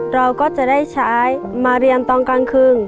เราก็จะได้ใช้มาเรียนตอนกลางคืน